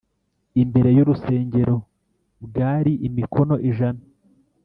imbere y urusengero bwari imikono ijana